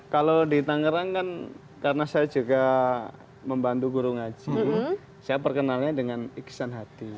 kalau di tangerang kan karena saya juga membantu guru ngaji saya perkenalnya dengan iksan hati